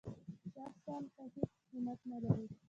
شخصاً ته هېڅ قېمت نه لرې.